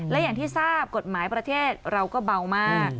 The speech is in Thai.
และอย่างที่ทราบกฎหมายประเทศเราก็เบามาก